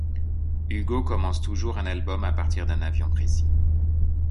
Hugault commence toujours un album à partir d'un avion précis.